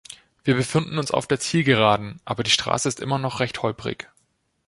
Wir befinden uns auf der Zielgeraden, aber die Straße ist immer noch recht holprig.